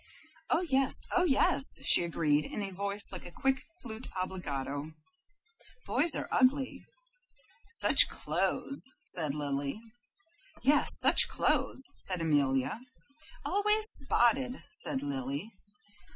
"Oh yes, oh yes," she agreed, in a voice like a quick flute obbligato. "Boys are ugly." "Such clothes!" said Lily. "Yes, such clothes!" said Amelia. "Always spotted," said Lily.